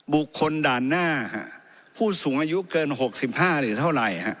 บุคคลด่านหน้าผู้สูงอายุเกิน๖๕หรือเท่าไหร่